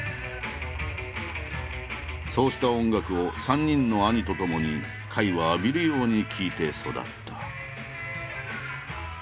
そうした音楽を３人の兄とともに甲斐は浴びるように聴いて育った。